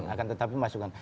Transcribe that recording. akan tetapi masukan